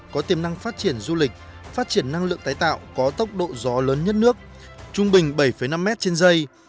có tiềm năng phát triển du lịch phát triển năng lượng tái tạo có tốc độ gió lớn nhất nước trung bình bảy năm m trên dây